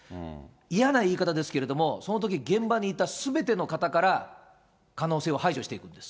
嫌な言い方ですけれども、そのとき現場にいたすべての方から可能性を排除していくんです。